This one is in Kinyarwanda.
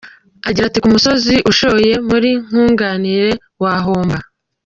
Aragira ati “Ku musozi ushoye muri nkunganire wahomba.